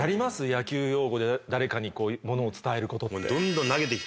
野球用語で誰かにものを伝えることって。